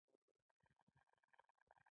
د افغانستان ملي مرغه عقاب دی